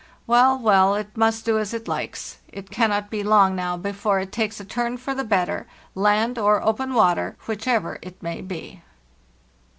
Well, well, it must do as it likes! It cannot be long now be fore it takes a turn for the better—land or open water, whichever it may be.